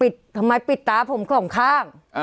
ทำไมปิดตาผมสองข้าง